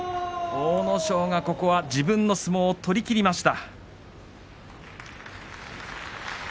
阿武咲がここは自分の相撲を取りきりました。